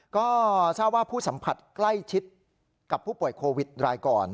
ก็ทราบว่าผู้สัมผัสใกล้ชิดกับผู้ป่วยโควิดรายก่อน